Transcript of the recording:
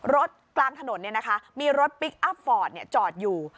รถกลางถนนเนี่ยนะคะมีรถพลิกอัพฟอร์ตเนี่ยจอดอยู่